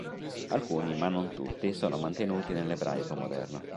Alcuni, ma non tutti, sono mantenuti nell'ebraico moderno.